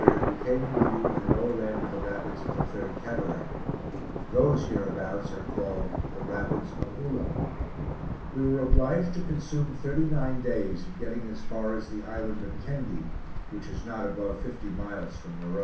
On the 23d we came in view of the lower end of the rapids of the Third Cataract; those hereabouts are called "the rapids of Oula" We were obliged to consume thirty nine days in getting as far as the island of Kendi, (which is not above fifty miles from Meroe.)